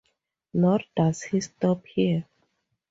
Nor does he stop here.